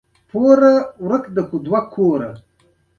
سلطان ویل ته زما د زوی غوندې یې.